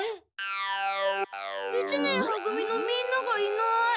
一年は組のみんながいない。